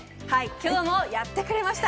今日もやってくれました。